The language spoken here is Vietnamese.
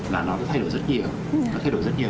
là nó thay đổi rất nhiều